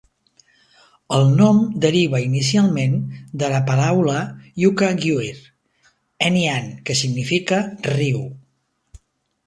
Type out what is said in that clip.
El nom deriva inicialment de la paraula iukaguir "any-an" que significa "riu".